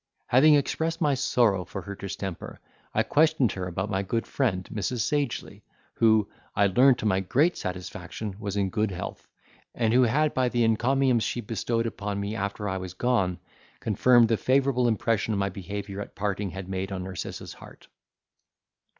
Having expressed my sorrow for her distemper, I questioned her about my good friend, Mrs. Sagely, who, I learned to my great satisfaction, was in good health, and who had by the encomiums she bestowed upon me after I was gone, confirmed the favourable impression my behaviour at parting had made on Narcissa's heart.